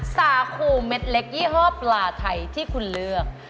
สาคูเม็ดเล็กยี่ห้อปลาไทยที่คุณเลือก